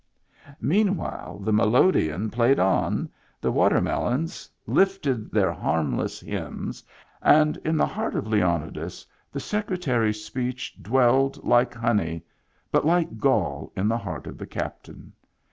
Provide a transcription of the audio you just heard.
Meanwhile, the melodeon played on, the watermelons lifted Digitized by Google IN THE BACK 107 their harmless hymns, and in the heart of Leoni das the Secretary's speech dwelled like honey but like gall in the heart of the captain.